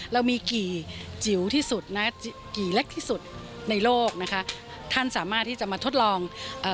เรามีกี่จิ๋วที่สุดนะกี่เล็กที่สุดในโลกนะคะท่านสามารถที่จะมาทดลองเอ่อ